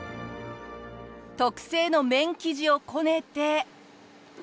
特製の麺生地をこねて。